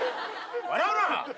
笑うな！